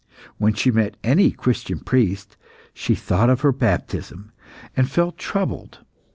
When she met any Christian priest, she thought of her baptism, and felt troubled.